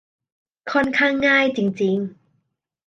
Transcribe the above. ค่อนข้างง่ายจริง ๆ